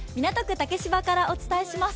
竹芝からお伝えします。